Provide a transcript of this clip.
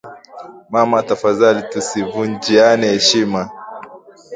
Mama tafadhali tusivunjiane heshima